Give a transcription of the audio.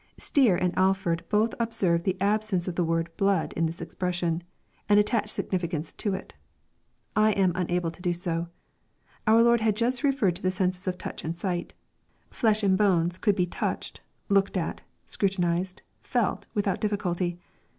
] Stier and Alford both ob serve the absence of the word " blood" in this expression, and attach significance to it I am unable to do so. Our Lord had just referred to the senses of touch and sight. Flesh and bones could be touched, looked at, scrutinized, felt, without diflBiculty.